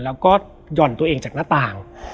แล้วก็หย่อนตัวเองจากหน้าต่าง